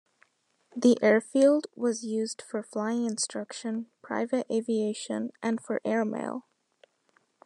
The airfield was used for flying instruction, private aviation, and for air mail.